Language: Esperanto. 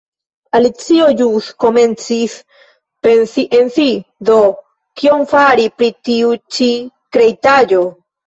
Alicio ĵus komencis pensi en si "Do, kion fari pri tiu ĉi kreitaĵo?"